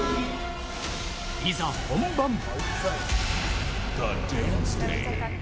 いざ本番。